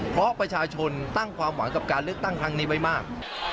เพราะประชาชนตั้งความหวังกับการเลือกตั้งครั้งนี้ไว้มาก